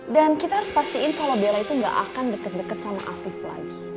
dan kita harus pastiin kalau bella itu gak akan deket deket sama afif lagi